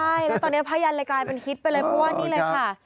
ใช่แล้วตอนนี้ภาญันรายการเป็นฮิตไปเลยประวัตินี้เลยค่ะ